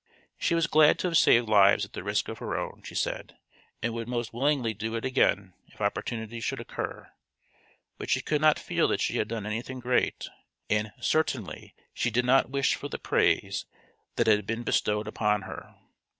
She was glad to have saved lives at the risk of her own, she said, and would most willingly do it again if opportunity should occur. But she could not feel that she had done anything great, and certainly she did not wish for the praise that had been bestowed upon her.